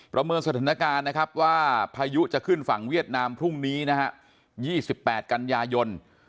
ประเมินสถานการณ์นะครับว่าพายุจะขึ้นฝั่งเวียดนามพรุ่งนี้นะฮะ๒๘กันยายน